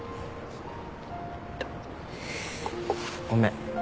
ごめん。